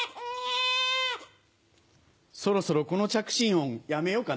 そろそろこの着信音やめようかな。